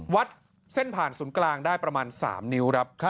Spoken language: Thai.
วัดเส้นผ่านศูนย์กลางได้ประมาณ๓นิ้วครับ